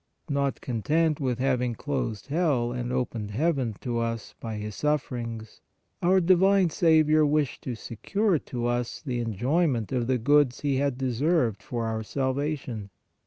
Not content with having closed hell and opened heaven to us by His sufferings, our divine Saviour wished to secure to us the enjoyment of the goods He had deserved for our salvation.